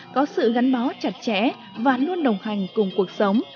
có sự gắn bó chặt chẽ và luôn đồng hành cùng cuộc sống